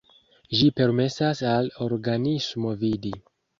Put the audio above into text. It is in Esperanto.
Ĝi permesas al organismo vidi.